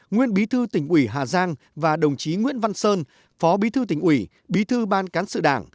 nguyên bí thư tỉnh ủy hà giang và đồng chí nguyễn văn sơn phó bí thư tỉnh ủy bí thư ban cán sự đảng